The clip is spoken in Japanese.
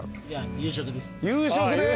夕食です！